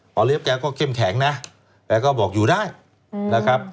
เลี้ยแกก็เข้มแข็งนะแกก็บอกอยู่ได้นะครับ